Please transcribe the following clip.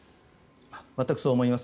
全くそう思います。